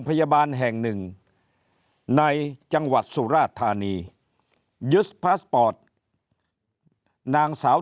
พยาบาลแห่งหนึ่งในจังหวัดสุราธานียึดพาสปอร์ตนางสาว